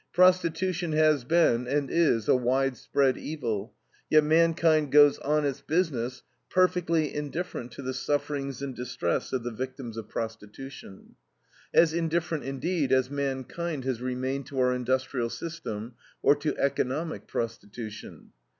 Prostitution has been, and is, a widespread evil, yet mankind goes on its business, perfectly indifferent to the sufferings and distress of the victims of prostitution. As indifferent, indeed, as mankind has remained to our industrial system, or to economic prostitution.